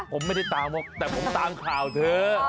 ผมไม่ได้ตามแต่ผมตามข่าวเธอ